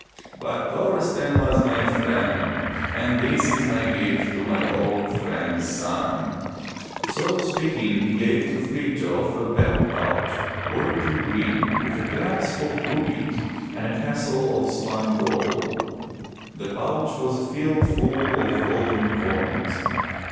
But Thorsten was my friend and this is my gift to my old friend's son —'' So speaking he gave to Frithjof a belt pouch worked in green with a clasp of rubies and a tassel of spun gold. The pouch was filled full of golden coins.